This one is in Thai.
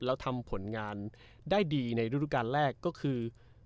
แล้วทำผลงานได้ดีในฤดูการแรกก็คือ